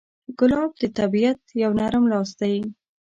ګلاب د طبیعت یو نرم لاس دی.